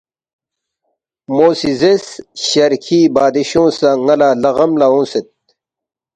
مو سی زیرس، ”شرکھی بادشونگ سہ ن٘ا لہ لغم لہ اونگسید